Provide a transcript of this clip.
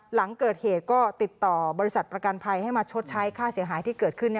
หลังเกิดเหตุก็ติดต่อบริษัทประกันภัยให้มาชดใช้ค่าเสียหายที่เกิดขึ้น